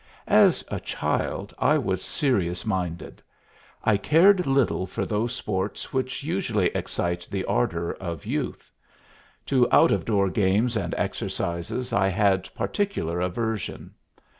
As a child I was serious minded. I cared little for those sports which usually excite the ardor of youth. To out of door games and exercises I had particular aversion.